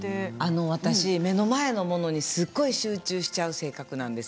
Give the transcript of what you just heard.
目の前のものにすごく集中しちゃう性格なんです。